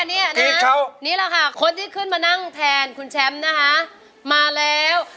นี่แหละค่ะคนที่ขึ้นมานั่งแทนคุณแชมป์นะคะมาแล้ว